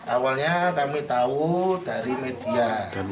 awalnya kami tahu dari media